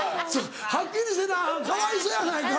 はっきりせなかわいそうやないかい。